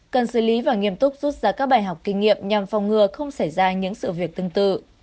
cần xử lý và nghiêm túc rút ra các bài học kinh nghiệm nhằm phòng ngừa không xảy ra những sự việc tương tự